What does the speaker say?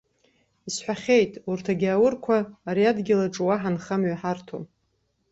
Исҳәахьеит, урҭ агьааурқәа ари адгьыл аҿы уаҳа нхамҩа ҳарҭом!